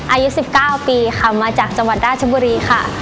อายุ๑๙ปีค่ะมาจากจังหวัดราชบุรีค่ะ